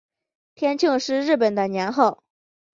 天庆是日本的年号。